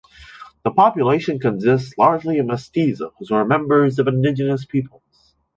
The population consists largely of mestizos or members of indigenous peoples.